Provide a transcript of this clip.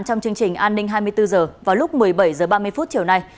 trong chương trình an ninh hai mươi bốn h vào lúc một mươi bảy h ba mươi chiều nay